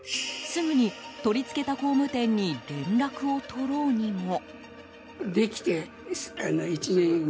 すぐに取り付けた工務店に連絡を取ろうにも。